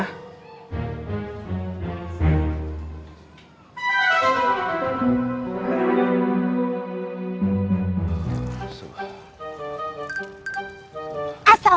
tidak ada apa